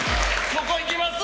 ここ、いきますわ！